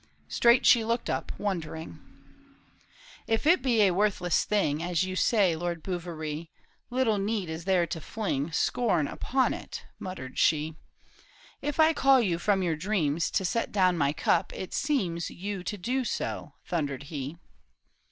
Straight she looked up wondering. " If it be a worthless thing. As you say. Lord Bouverie, Little need is there to fling Scorn upon it," murmured she. '' If I call you from your dreams To set down my cup, it 'seems You to do so," thundered he.